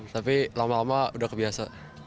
tapi lama lama udah kebiasa